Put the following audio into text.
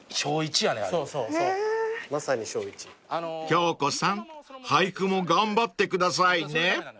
［京子さん俳句も頑張ってくださいね］